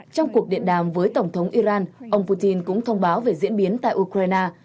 trong cuộc điện đàm với tổng thống iran ông putin cũng thông báo về diễn biến tại ukraine